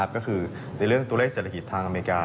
ก็คือในเรื่องติเลขศิรษฐภิตประเมริกา